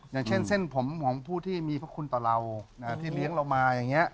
อย่างเช่นเส้นผมของผู้ที่มีพระคุณต่อเราที่เลี้ยงเรามาอย่างนี้